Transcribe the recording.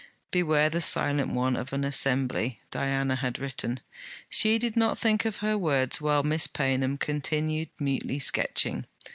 'Beware the silent one of an assembly!' Diana had written. She did not think of her words while Miss Paynham continued mutely sketching.